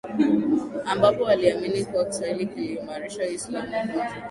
ambapo waliamini kuwa kiswahili kiliimarisha uislamu hoja